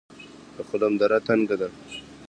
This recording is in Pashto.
د خلم دره تنګه ده